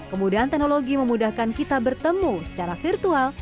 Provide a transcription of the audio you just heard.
kemudahan teknologi memudahkan kita bertemu secara virtual